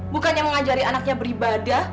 bukannya mengajari anaknya beribadah